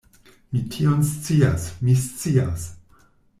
Mi tion scias, mi scias!